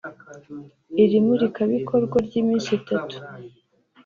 Iri murikabikorwa ry’iminsi itatu